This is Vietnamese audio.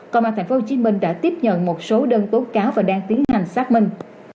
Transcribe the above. còn mà tp hcm đã tiếp nhận một số đơn tố cáo và đang tiến hành xác minh